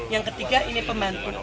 yang ketiga ini pembantu